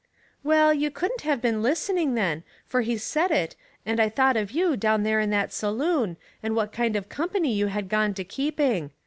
'* Well, you couldn't have been listening then, for he said it, and I thought of you down there in that saloon, and what kind of company you had gone to keeping.